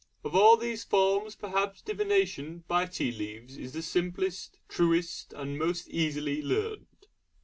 Of all these forms perhaps divination by tea leaves is the simplest, truest, and most easily learned.